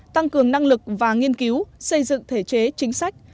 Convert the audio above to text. tăng cường năng lực và nghiên cứu xây dựng thể chế chính sách